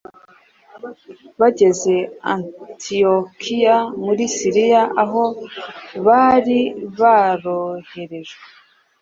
Bageze Antiyokiya muri Siriya aho bari barohererejwe